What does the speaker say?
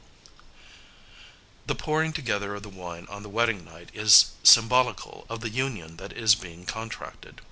The pouring together of the wine on the wedding night is symbolical of the union that is being contracted.